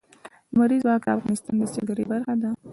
لمریز ځواک د افغانستان د سیلګرۍ برخه ده.